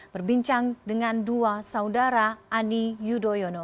berbincang dengan dua saudara ani yudhoyono